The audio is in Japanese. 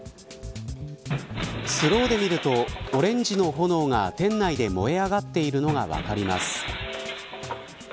スローで見るとオレンジの炎が店内で燃え上がっているのが分かります。